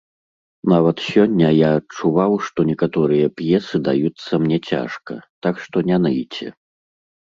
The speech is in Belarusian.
Нават сёння я адчуваў, што некаторыя п'есы даюцца мне цяжка, так што не ныйце.